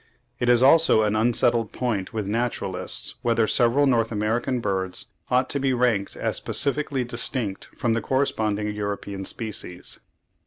It is also an unsettled point with naturalists, whether several North American birds ought to be ranked as specifically distinct from the corresponding European species.